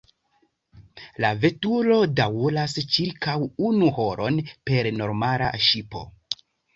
La veturo daŭras ĉirkaŭ unu horon per normala ŝipo.